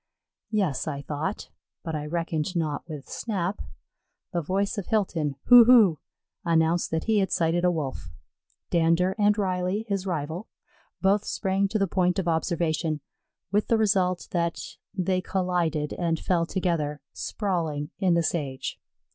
'Yes, I thought; but I reckoned not with Snap. The voice of Hilton, "Hu, hu," announced that he had sighted a Wolf. Dander and Riley, his rival, both sprang to the point of observation, with the result that they collided and fell together, sprawling, in the sage.